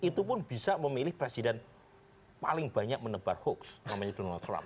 itu pun bisa memilih presiden paling banyak menebar hoax namanya donald trump